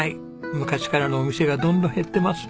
昔からのお店がどんどん減ってます。